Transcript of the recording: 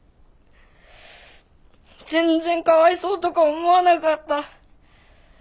全然かわいそうとか思わなかった。